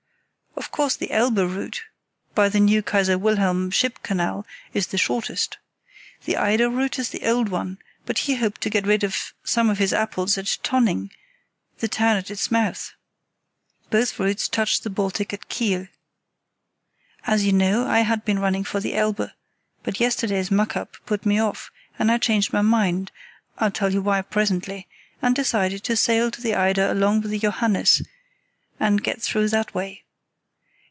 Of course the Elbe route, by the new Kaiser Wilhelm ship canal, is the shortest. The Eider route is the old one, but he hoped to get rid of some of his apples at Tönning, the town at its mouth. Both routes touch the Baltic at Kiel. As you know, I had been running for the Elbe, but yesterday's muck up put me off, and I changed my mind—I'll tell you why presently—and decided to sail to the Eider along with the Johannes and get through that way.